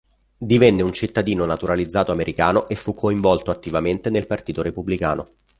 Divenne un cittadino naturalizzato americano e fu coinvolto attivamente nel Partito Repubblicano.